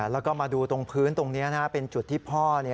แล้วก็มาดูตรงพื้นตรงนี้เป็นจุดที่พ่อ